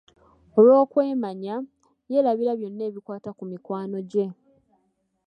Olw'okwemanya, yeerabira byonna ebikwata ku mikwano gye.